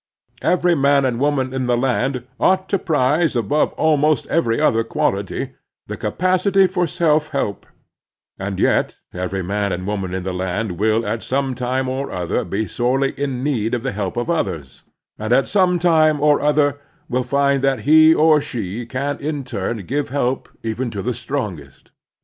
Every man and woman in the land ought to prize above almost every other quality the capacity for self help; and yet every man and woman in the land 7 9S The Strenuous Life will at some time or other be sorely in need of the help of others, and at some time or other will find that he or she can in tnm give help even to the strongest.